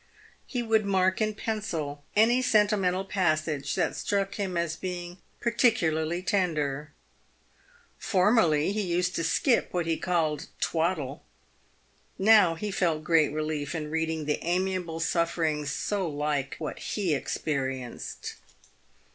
He would mark in pencil any sentimental passage that struck him as being particularly tender. Formerly, he used to skip what he called " twaddle." Now, he felt great relief in reading the amiable sufferings so like what he experienced.